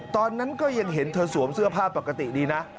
ตอนนั้นก็ยังเห็นเธอสวมเสื้อผ้าปกติดีนะ